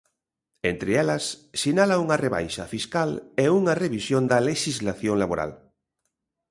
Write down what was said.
Entre elas, sinala unha rebaixa fiscal e unha revisión da lexislación laboral.